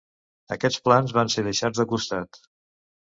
Aquests plans van ser deixats de costat.